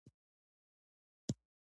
د بزم های اخیر لیکوال منشي فضل الدین دی.